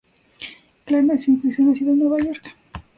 Clark nació y creció en la ciudad de Nueva York.